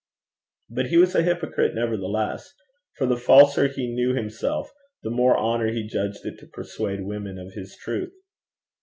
But he was a hypocrite nevertheless; for the falser he knew himself, the more honour he judged it to persuade women of his truth.